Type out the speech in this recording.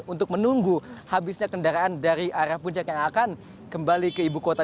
untuk menunggu habisnya kendaraan dari arah puncak yang akan kembali ke ibu kota